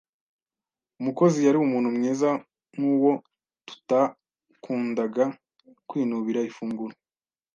Umukozi yari umuntu mwiza nkuwo tutakundaga kwinubira ifunguro.